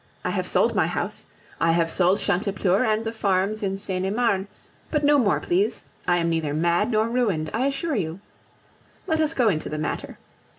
I have sold my house, I have sold Chantepleurs, and the farms in Seine et Marne, but no more, please! I am neither mad nor ruined, I assure you. Let us go into the matter.